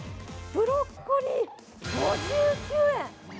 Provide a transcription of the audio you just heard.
ブロッコリー５９円。